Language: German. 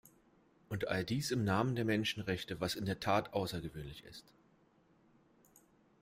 Und all dies im Namen der Menschenrechte, was in der Tat außergewöhnlich ist.